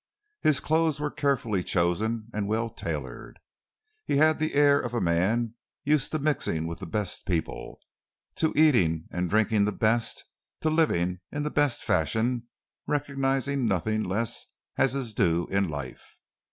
His clothes were carefully chosen and well tailored. He had the air of a man used to mixing with the best people, to eating and drinking the best, to living in the best fashion, recognising nothing less as his due in life.